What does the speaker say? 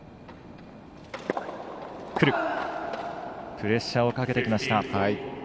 プレッシャーをかけてきました。